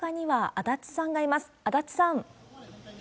足立さん。